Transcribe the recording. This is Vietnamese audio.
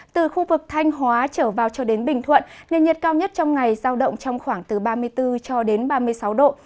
từ khu vực thanh hóa trở vào cho đến bình thuận nền nhiệt cao nhất trong ngày giao động trong khoảng từ ba mươi bốn cho đến ba mươi sáu độ